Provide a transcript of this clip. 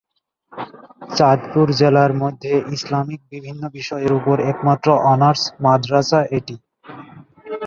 চাঁদপুর জেলার মধ্যে ইসলামিক বিভিন্ন বিষয়ের উপর একমাত্র অনার্স মাদ্রাসা এটি।